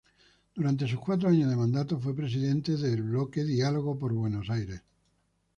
Durante sus cuatro años de mandato, fue presidente del bloque Diálogo por Buenos Aires.